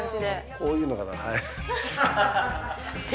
こういうのかな。